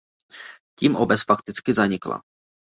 Tím obec fakticky zanikla.